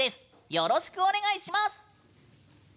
よろしくお願いします。